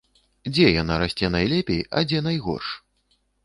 Дзе яна расце найлепей, а дзе найгорш?